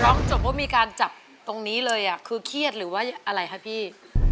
ร้องจบว่ามีการจับตรงนี้เลยคือเครียดหรือว่าอะไรคะพี่